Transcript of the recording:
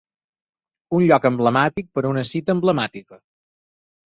Un lloc emblemàtic per a una cita emblemàtica.